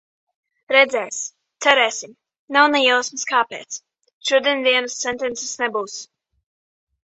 Redzēs. Cerēsim. Nav ne jausmas, kāpēc. Šodien dienas sentences nebūs.